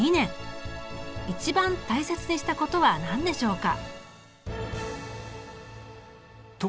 一番大切にしたことは何でしょうか。